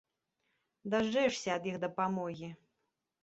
Дажджэшся ад іх дапамогі.